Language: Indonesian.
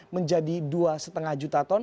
menjadi dua lima juta ton